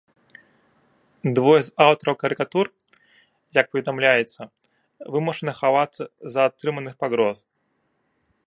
Двое з аўтараў карыкатур, як паведамляецца, вымушаны хавацца з-за атрыманых пагроз.